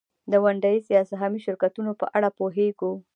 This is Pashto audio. د ونډه ایز یا سهامي شرکتونو په اړه پوهېږو